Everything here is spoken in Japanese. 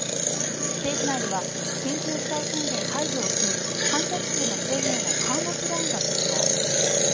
政府内では緊急事態宣言解除を機に観客数の制限を緩和する案が浮上。